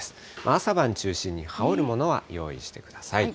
朝晩中心に羽織るものは用意してください。